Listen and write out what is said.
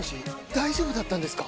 大丈夫だったんですか？